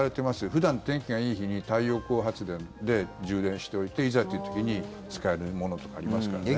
普段、天気がいい日に太陽光発電で充電しておいていざという時に使えるものとかありますからね。